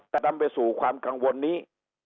จะนำไปสู่ความกังวลนี้